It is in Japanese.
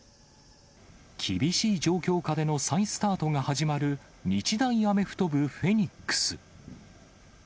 厳しい状況下での再スタートが始まる日大アメフト部フェニックス。